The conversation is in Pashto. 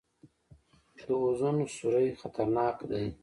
د اوزون سورۍ خطرناک دی